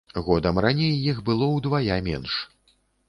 Годам раней іх было ўдвая менш.